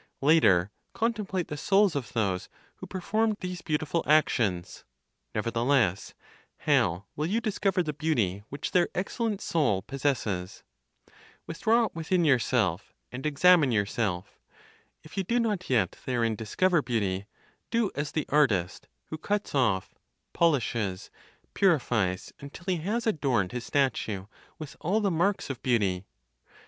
Later contemplate the souls of those who perform these beautiful actions. Nevertheless, how will you discover the beauty which their excellent soul possesses? Withdraw within yourself, and examine yourself. If you do not yet therein discover beauty, do as the artist, who cuts off, polishes, purifies until he has adorned his statue with all the marks of beauty.